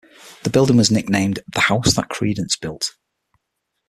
The building was nicknamed "The House That Creedence Built".